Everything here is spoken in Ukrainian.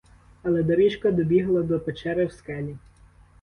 Але доріжка добігла до печери в скелі.